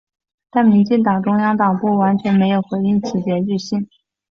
但民进党中央党部完全没有回应此检举信。